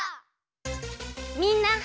みんな。